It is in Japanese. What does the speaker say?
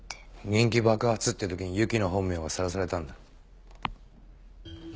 人気爆発って時にＹＵＫＩの本名がさらされたんだ。